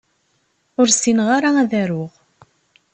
Ur ssineɣ ara ad aruɣ.